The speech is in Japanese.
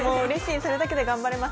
それだけで頑張れます。